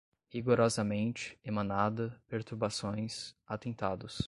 rigorosamente, emanada, perturbações, atentados